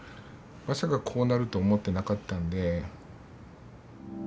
まさかこうなると思ってなかったんで。